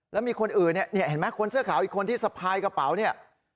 แล้วมีคนอื่นเนี่ยเห็นไหมคนเสื้อขาวอีกคนที่สะพายกระเป๋าเนี่ย